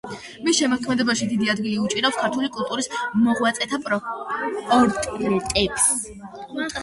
მის შემოქმედებაში დიდი ადგილი უჭირავს ქართული კულტურის მოღვაწეთა პორტრეტებს.